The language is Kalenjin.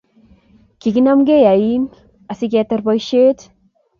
kiginamegei oin asigeterter boishet